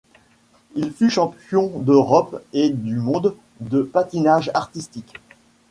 Il fut champion d'Europe et du monde de patinage artistique.